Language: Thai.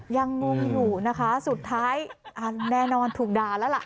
งงอยู่นะคะสุดท้ายแน่นอนถูกด่าแล้วล่ะ